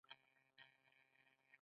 ناروغان د درملنې لپاره هند ته ځي.